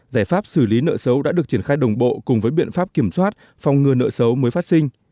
giải pháp xử lý nợ xấu đã được triển khai đồng bộ cùng với biện pháp kiểm soát phòng ngừa nợ xấu mới phát sinh